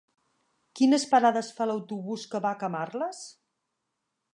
Quines parades fa l'autobús que va a Camarles?